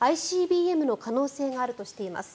ＩＣＢＭの可能性があるとしています。